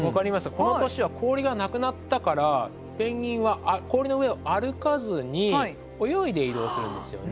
この年は氷がなくなったからペンギンは氷の上を歩かずに泳いで移動するんですよね。